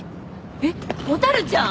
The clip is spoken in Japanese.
えっ蛍ちゃん！？